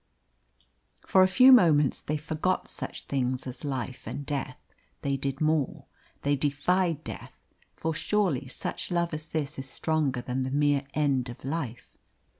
For a few moments they forgot such things as life and death. They did more, they defied death; for surely such love as this is stronger than the mere end of life.